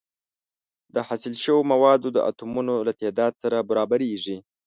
د حاصل شوو موادو د اتومونو له تعداد سره برابریږي.